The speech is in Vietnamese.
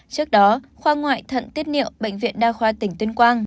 trước đó khoa ngoại thận tiết niệu bệnh viện đa khoa tỉnh tuyên quang